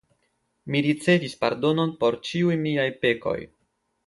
Mi ricevis pardonon por ĉiuj miaj pekoj!